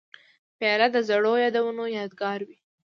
پیاله د زړو یادونو یادګار وي.